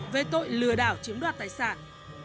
về tội lừa đảo chiếm đoạt tài sản